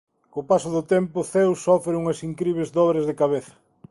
Co paso do tempo Zeus sofre unhas incribles dores de cabeza.